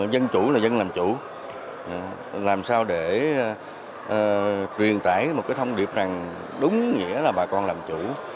dân chủ là dân làm chủ làm sao để truyền tải một cái thông điệp đúng nghĩa là bà con làm chủ